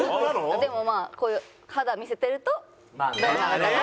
でもまあ肌見せてるとどうなのかな。